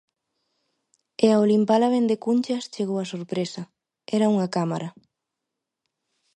E ao limpala ben de cunchas chegou a sorpresa: era unha cámara.